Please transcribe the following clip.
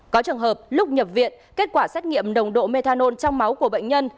có trường hợp lúc nhập viện kết quả xét nghiệm nồng độ methanol trong máu của bệnh nhân